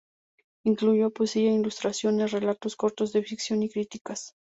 Incluyó poesía, ilustraciones, relatos cortos de ficción y críticas.